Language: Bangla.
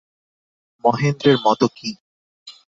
মহেন্দ্রের মত কী।